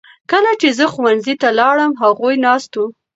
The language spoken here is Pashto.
کله چې زه ښوونځي ته لاړم هغوی ناست وو.